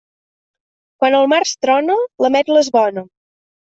Quan al març trona, l'ametla és bona.